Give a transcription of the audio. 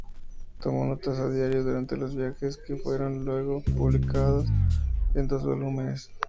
Tomó notas a diario durante los viajes, que fueron luego publicadas en dos volúmenes.